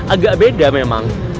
agak beda memang